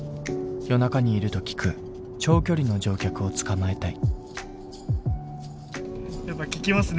夜中にいると聞く長距離の乗客をつかまえたい。